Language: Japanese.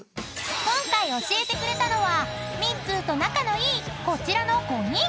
［今回教えてくれたのはミッツーと仲のいいこちらの５人］